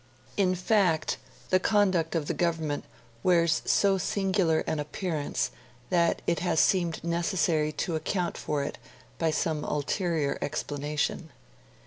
In fact, the conduct of the Government wears so singular an appearance that it has seemed necessary to account for it by some ulterior explanation.